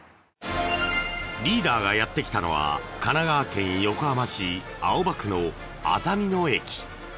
リーダーがやってきたのは神奈川県横浜市青葉区のあざみ野駅。